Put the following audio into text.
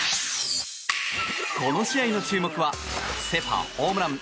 この試合の注目はセ・パホームラン